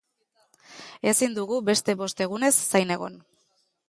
Ezin dugu beste bost egunez zain egon.